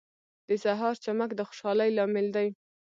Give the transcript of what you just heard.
• د سهار چمک د خوشحالۍ لامل دی.